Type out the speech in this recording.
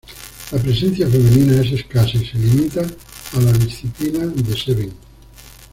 La presencia femenina es escasa y se limita a la disciplina de seven.